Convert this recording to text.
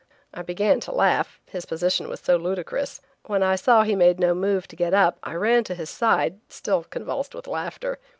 I began to laugh, his position was so ludicrous. When I saw he made no move to get up, I ran to his side, still convulsed with laughter.